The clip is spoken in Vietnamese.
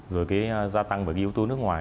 rồi cái gia tăng về yếu tố nước ngoài